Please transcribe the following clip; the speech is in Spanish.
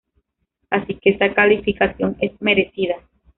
Así que esta calificación es merecida.